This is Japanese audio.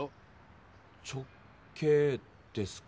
「直径」ですか。